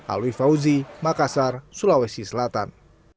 alwi fauzi makassar sulawesi selatan